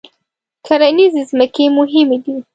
کرنیزې ځمکې مهمې دي.